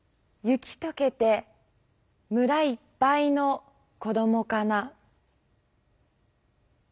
「雪とけて村いっぱいの子どもかな」。